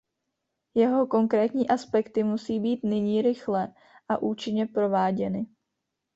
Jeho konkrétní aspekty musí být nyní rychle a účinně prováděny.